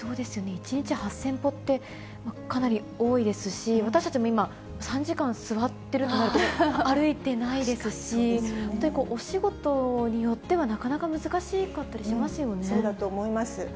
１日８０００歩って、かなり多いですし、私たちも今、３時間座ってるとなると、歩いてないですし、本当にお仕事によっては、そうだと思います。